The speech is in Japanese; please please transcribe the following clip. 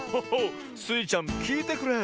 スイちゃんきいてくれ。